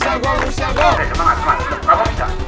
semangat semangat kamu bisa